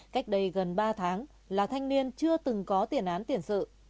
cách đây gần ba tháng là thanh niên chưa từng có tiền án tiền sự